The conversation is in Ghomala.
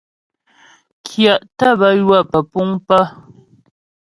Kyə̀ tə́ bə ywə pə́puŋ pə̀.